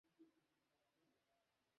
এরকম কিছু করব না।